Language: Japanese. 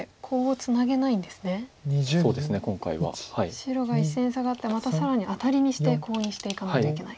白が１線サガってまた更にアタリにしてコウにしていかないといけない。